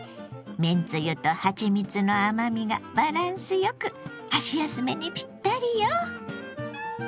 めんつゆとはちみつの甘みがバランスよく箸休めにぴったりよ。